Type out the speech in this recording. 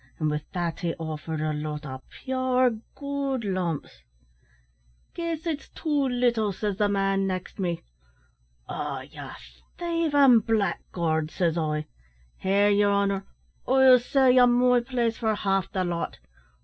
and with that he offered a lot o' pure goold lumps. "`Guess it's too little,' says the man next me. "`Ah, ye thievin' blackguard!' says I. `Here, yer honer, I'll sell ye my place for half the lot.